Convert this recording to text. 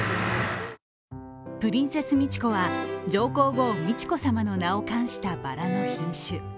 プリンセス・ミチコは上皇后・美智子さまの名を冠したばらの品種。